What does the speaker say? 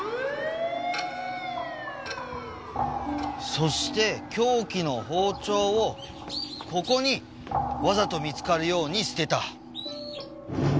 そして凶器の包丁をここにわざと見つかるように捨てた。